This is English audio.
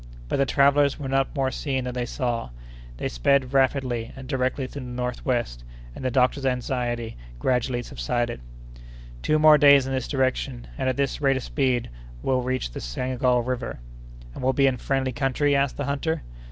But the travellers were not more seen than they saw. They sped rapidly and directly to the northwest, and the doctor's anxiety gradually subsided. "Two more days in this direction, and at this rate of speed, and we'll reach the Senegal River." "And we'll be in a friendly country?" asked the hunter.